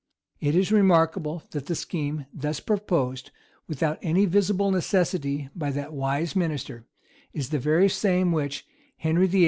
It is remarkable, that the scheme thus proposed, without any visible necessity, by that wise minister, is the very same which Henry VIII.